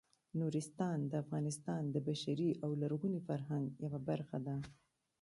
نورستان د افغانستان د بشري او لرغوني فرهنګ یوه برخه ده.